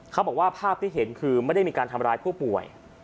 ภาพที่เห็นคือไม่ได้มีการทำร้ายผู้ป่วย